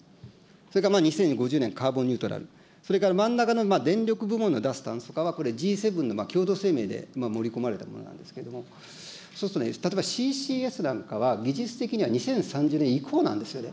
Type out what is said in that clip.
それから２０５０年カーボンニュートラル、それから真ん中の電力部門の脱炭素化はこれ、Ｇ７の共同声明で盛り込まれたものなんですけれども、そうするとね、例えばＣＣＳなんかは技術的には２０３０年以降なんですよね。